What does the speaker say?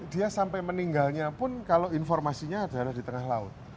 dia sampai meninggalnya pun kalau informasinya adalah di tengah laut